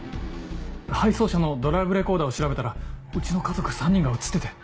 配送車のドライブレコーダーを調べたらうちの家族３人が写ってて。